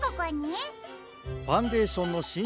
ファンデーションのしん